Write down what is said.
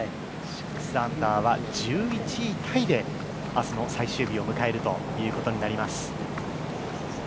６アンダーは１１位タイで明日の最終日を迎えるということになります。